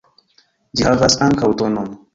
Ĝi havas ankaŭ tonon.